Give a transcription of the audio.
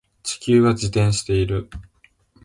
地球は自転している